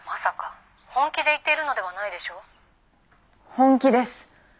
本気です。